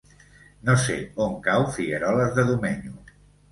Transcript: No sé on cau Figueroles de Domenyo.